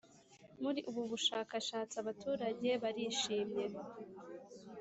Muri ubu bushakashatsi abaturage bari shimye